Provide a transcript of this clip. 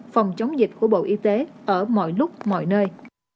phòng chống dịch của bộ y tế ở mọi lúc mọi nơi